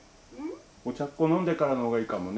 お茶っこ飲んでからの方がいいかもね。